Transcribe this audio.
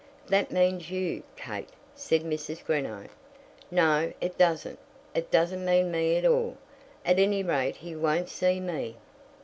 "That means you, Kate," said Mrs. Greenow. "No, it doesn't; it doesn't mean me at all. At any rate he won't see me."